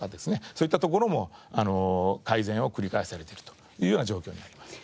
そういったところも改善を繰り返されているというような状況になります。